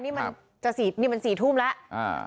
นี่มัน๔ทุ่มแล้ว